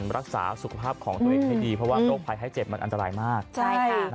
รักษาสุขภาพของตัวเองให้ดี